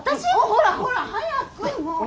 ほらほら早くもう。